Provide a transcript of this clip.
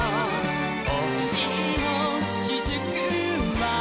「ほしのしずくは」